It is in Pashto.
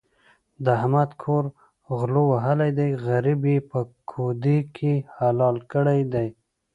د احمد کور غلو وهلی دی؛ غريب يې په کودي کې حلال کړی دی.